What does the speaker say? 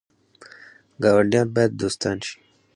ګاونډیان باید دوستان شي